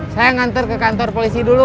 saya nganter ke kantor polisi dulu